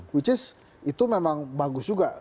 which is itu memang bagus juga